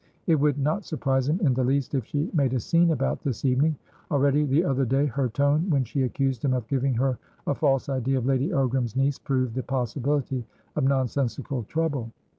It would not surprise him in the least if she made a scene about this evening. Already, the other day, her tone when she accused him of giving her a false idea of Lady Ogram's niece proved the possibility of nonsensical trouble.